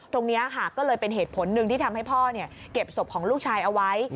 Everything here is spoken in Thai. ตรงนี้ค่ะก็เลยเป็นเหตุผลหนึ่งที่ทำให้พ่อเก็บศพของลูกชายเอาไว้